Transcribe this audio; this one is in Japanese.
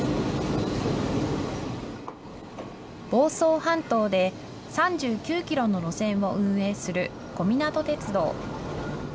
房総半島で３９キロの路線を運営する小湊鐵道。